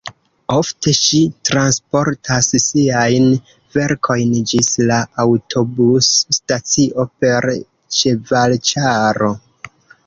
Ofte ŝi transportas siajn verkojn ĝis la aŭtobus-stacio per ĉevalĉaro.